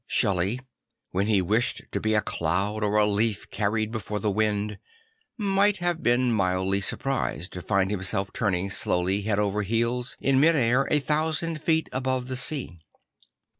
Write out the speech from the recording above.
Shel1ey, when he wished to be a cloud or a leaf carried before the wind, might have been mildly surprised to find himself turning slowly head over heels in mid air a thousand feet above the sea.